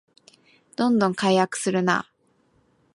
どんどん改悪するなあ